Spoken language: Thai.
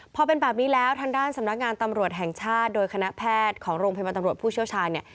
พอเป็นแบบนี้แล้วทางด้านสำนักงานตำรวจแห่งชาติโดยคณะแพทย์ของโรงพยาบาลตำรวจผู้เชี่ยวชาญเนี่ย